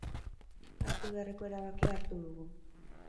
Hartu beharreko erabakia hartu dugu.